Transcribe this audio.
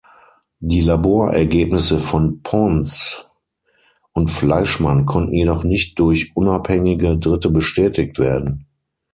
Die Labor-Ergebnisse von Pons und Fleischmann konnten jedoch nicht durch unabhängige Dritte bestätigt werden.